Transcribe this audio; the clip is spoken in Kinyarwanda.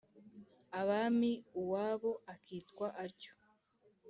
abami uwabo akitwa atyo.